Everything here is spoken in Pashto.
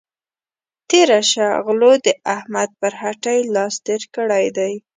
تېره شه غلو د احمد پر هټۍ لاس تېر کړی دی.